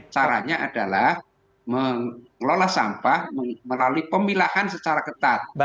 caranya adalah mengelola sampah melalui pemilahan secara ketat